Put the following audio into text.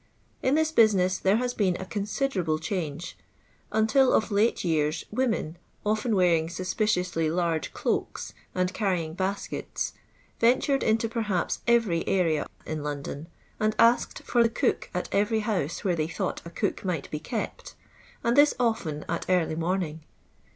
In this business there has been a considerable change. Until of late years women, often wear ing Buspicionsly large cloaks and carrying baskets, rentored into perhaps every area in London, and asked for the cook at every house where they thought a cook might be kept, and this often at early morning.